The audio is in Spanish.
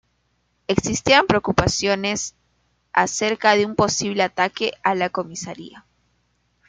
Existían preocupaciones a cerca de un posible ataque a la comisaría.